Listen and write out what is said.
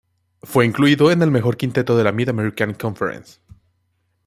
Fue incluido en el mejor quinteto de la Mid-American Conference.